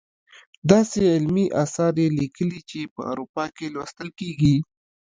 داسې علمي اثار یې لیکلي چې په اروپا کې لوستل کیږي.